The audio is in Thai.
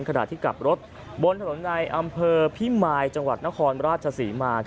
ขณะที่กลับรถบนถนนในอำเภอพิมายจังหวัดนครราชศรีมา